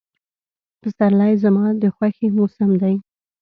پسرلی زما د خوښې موسم دی.